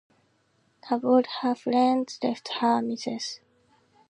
Have all her friends left her? Mrs.